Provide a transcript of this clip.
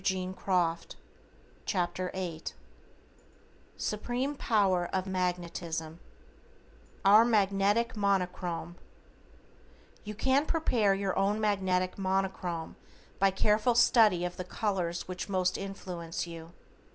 =Lesson Eighth= =SUPREME POWER OF MAGNETISM= =OUR MAGNETIC MONOCHROME:= You can prepare your own Magnetic Monochrome by careful study of the colors which most influence you.